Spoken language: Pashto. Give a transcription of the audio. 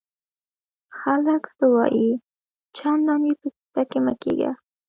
خلک څه وایي؟ چندان ئې په کیسه کي مه کېږه!